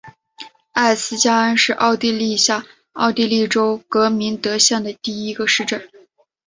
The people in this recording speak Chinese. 艾斯加恩是奥地利下奥地利州格明德县的一个市镇。